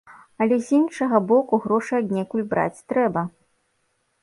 Але з іншага боку, грошы аднекуль браць трэба.